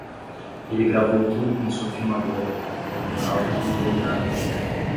Ele gravou tudo com sua filmadora para ter uma prova impermeável.